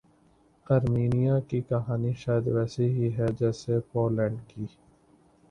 Armenia کی کہانی شاید ویسےہی ہے جیسے پولینڈ کی